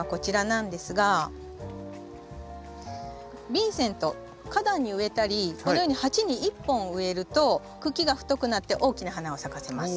ビンセント花壇に植えたりこのように鉢に１本植えると茎が太くなって大きな花を咲かせます。